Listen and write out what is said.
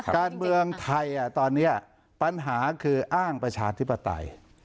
การเมืองไทยตอนนี้ปัญหาคืออ้างประชาธิปไตย